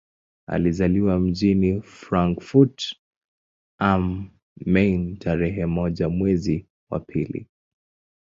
Alizaliwa mjini Frankfurt am Main tarehe moja mwezi wa pili